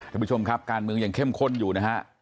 ท่านผู้ชมครับการเมืองยังเข้มข้นอยู่นะฮะ